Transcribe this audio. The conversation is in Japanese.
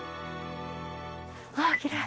わあきれい。